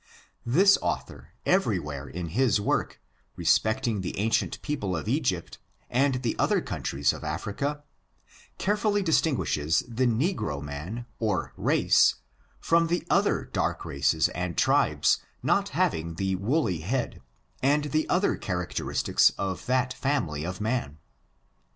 This author, everywhere in his work, respecting the ancient people of Egypt, and the other countries of Africa, carefully distinguishes the negro man, or race, from the other dark races and tribes not having the woolly head, and the other characteristics of that family of man.